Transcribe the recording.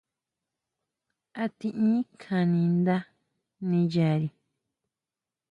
A tiʼin kjáni nda ʼniʼyari.